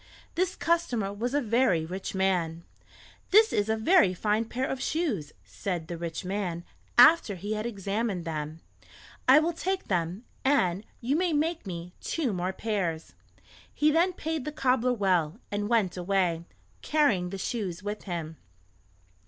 This customer was a very rich man. "This is a very fine pair of shoes," said the rich man after he had examined them. "I will take them, and you may make me two more pairs." He then paid the cobbler well, and went away, carrying the shoes with him.